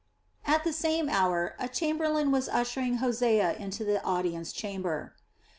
At the same hour a chamberlain was ushering Hosea into the audience chamber.